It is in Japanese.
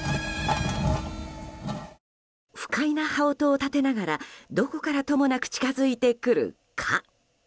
不快な羽音を立てながらどこからともなく近づいてくる蚊。